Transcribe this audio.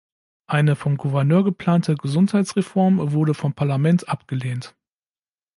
Eine vom Gouverneur geplante Gesundheitsreform wurde vom Parlament abgelehnt.